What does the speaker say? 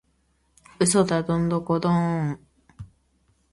嘘だドンドコドーン！